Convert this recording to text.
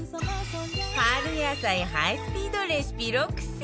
春野菜ハイスピードレシピ６選